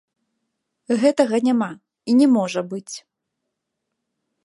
Гэтага няма і не можа быць.